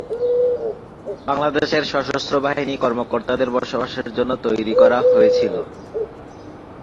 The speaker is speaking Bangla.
বাংলাদেশের সশস্ত্র বাহিনী কর্মকর্তাদের বসবাসের জন্য তৈরি করা হয়েছিল।